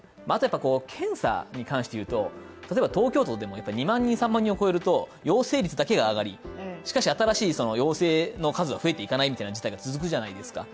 検査に関して言うと、例えば東京都でも２万人、３万人を超えると陽性率だけが上がりしかし、新しい陽性の数が増えていかないという事態が続くじゃないですか。